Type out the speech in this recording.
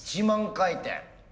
１万回転。